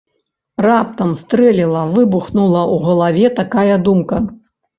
Раптам стрэліла-выбухнула ў галаве такая думка?